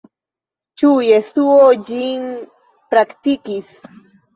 Ĉu Jesuo ĝin praktikis?